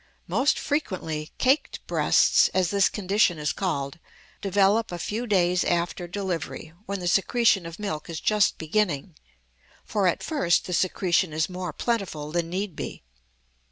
Most frequently "caked breasts," as this condition is called, develop a few days after delivery, when the secretion of milk is just beginning, for at first the secretion is more plentiful than need be.